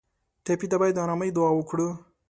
ټپي ته باید د ارامۍ دعا وکړو.